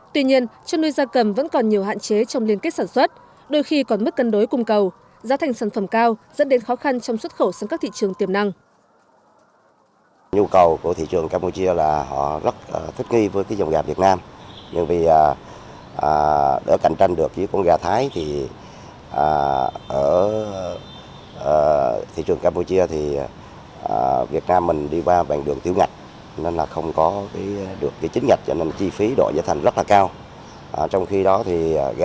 tuy nhiên chăn nuôi gia cầm vẫn còn nhiều hạn chế trong liên kết sản xuất đôi khi còn mất cân đối cung cầu giá thành sản phẩm cao dẫn đến khó khăn trong xuất khẩu sang các thị trường tiềm năng